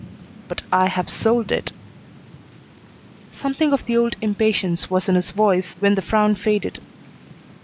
"But I have sold it " Something of the old impatience was in his voice, then the frown faded.